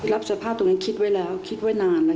รับสภาพตรงนี้คิดไว้แล้วคิดไว้นาน